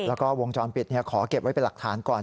แล้วก็วงจรปิดขอเก็บไว้เป็นหลักฐานก่อน